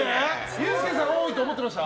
ユースケさん多いと思ってました？